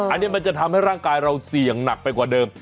อันนี้มันจะทำให้ร่างกายเราเสี่ยงหนักไปกว่าเดิม